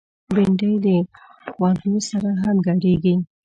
بېنډۍ د خوږو سره هم ګډیږي